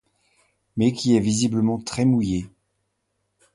Mais qui est visiblement très mouillée.